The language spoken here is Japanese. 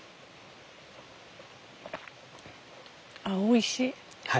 あっおいしい。